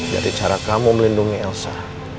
jadi cara kamu melindungi elsa